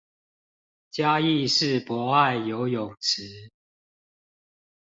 嘉義市博愛游泳池